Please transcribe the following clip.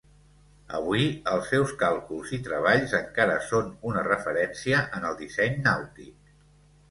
Avui, els seus càlculs i treballs encara són una referència en el disseny nàutic.